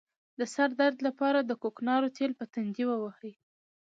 د سر درد لپاره د کوکنارو تېل په تندي ووهئ